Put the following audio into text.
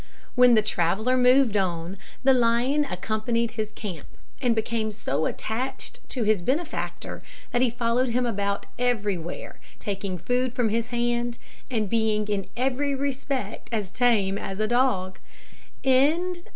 When the traveller moved on, the lion accompanied his camp, and became so attached to his benefactor that he followed him about everywhere, taking food from his hand, and being in every respect as tame as a dog.